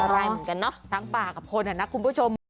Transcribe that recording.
อะไรเหมือนกันเนอะทั้งป่ากับคนนะคุณผู้ชม